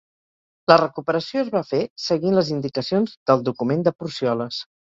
La recuperació es va fer seguint les indicacions del document de Porcioles.